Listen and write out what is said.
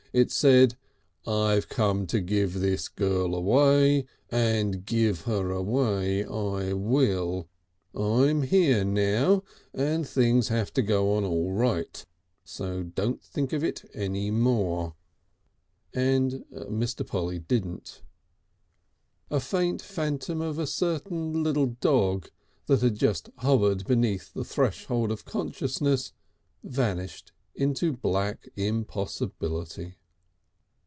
It said: "I've come to give this girl away, and give her away I will. I'm here now and things have to go on all right. So don't think of it any more" and Mr. Polly didn't. A faint phantom of a certain "lill' dog" that had hovered just beneath the threshold of consciousness vanished into black impossibility.